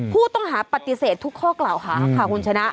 ผู้ต้องหาปฏิเสธทุกข้อกล่าวหาค่ะคุณชนะ